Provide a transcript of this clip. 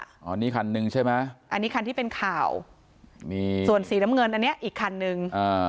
อันนี้คันหนึ่งใช่ไหมอันนี้คันที่เป็นข่าวมีส่วนสีน้ำเงินอันเนี้ยอีกคันนึงอ่า